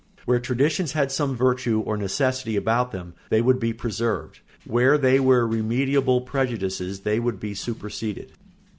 Where traditions had some virtue or necessity about them they would be preserved; where they were remediable prejudices they would be superseded.